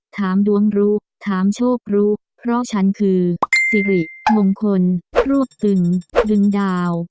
ถามดวงรู้ถามโชครู้เพราะฉันคือสิริมงคลรวบตึงดึงดาว